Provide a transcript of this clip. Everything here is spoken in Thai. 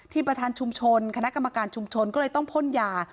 ประธานชุมชนคณะกรรมการชุมชนก็เลยต้องพ่นยา